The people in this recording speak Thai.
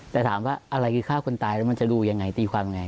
แต่ถามว่าอะไรคือฆ่าคนตายแล้วมันจะดูยังไงตีความไง